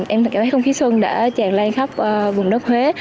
em cảm thấy không khí xuân đã tràn lan khắp vùng đất huế